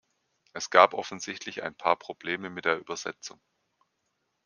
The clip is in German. Es gab offensichtlich ein paar Probleme mit der Übersetzung.